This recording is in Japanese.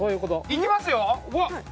いきますよ！